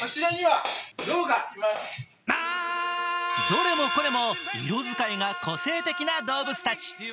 どれもこれも色使いが個性的な動物たち。